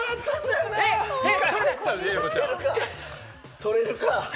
取れるか！